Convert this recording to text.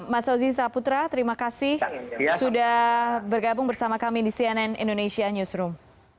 mas ozi saputra terima kasih sudah bergabung bersama kami di cnn indonesia newsroom